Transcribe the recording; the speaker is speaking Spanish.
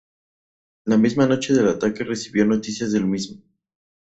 La misma noche del ataque recibió noticias del mismo.